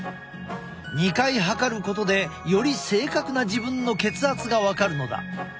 ２回測ることでより正確な自分の血圧が分かるのだ。